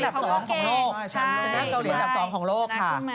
ชนะเกาหลีก็ดับสองของโลกค่ะ